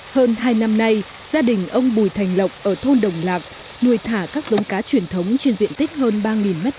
hơn hai năm nay gia đình ông bùi thành lộc ở thôn đồng lạc nuôi thả các giống cá truyền thống trên diện tích hơn ba m hai